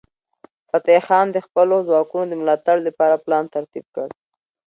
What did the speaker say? فتح خان د خپلو ځواکونو د ملاتړ لپاره پلان ترتیب کړ.